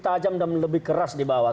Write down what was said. tajam dan lebih keras di bawah